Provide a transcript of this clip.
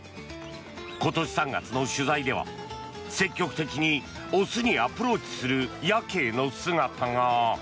今年３月の取材では積極的に雄にアプローチするヤケイの姿が。